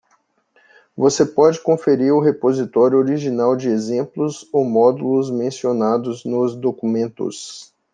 Você pode conferir o repositório original de exemplos ou módulos mencionados nos documentos.